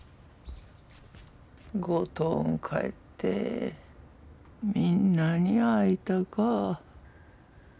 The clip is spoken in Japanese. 五島ん帰ってみんなに会いたか。